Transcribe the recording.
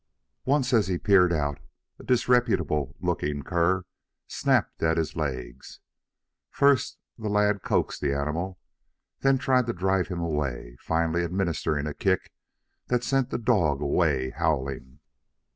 Once as he peered out, a disreputable looking cur snapped at his legs. First, the lad coaxed the animal, then tried to drive him away, finally administering a kick that sent the dog away howling.